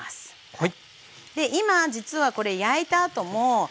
はい。